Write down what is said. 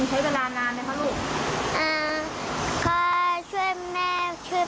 หนูเก็บเงินใช้เวลานานเลยค่ะลูก